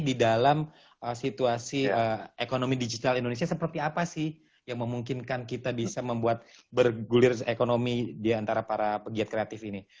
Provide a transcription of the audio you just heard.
di dalam situasi ekonomi digital indonesia seperti apa sih yang memungkinkan kita bisa membuat bergulir ekonomi diantara para pegiat kreatif ini